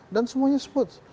dan semuanya sebut